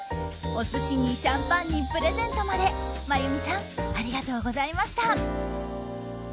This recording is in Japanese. お寿司にシャンパンにプレゼントまで真弓さんありがとうございました！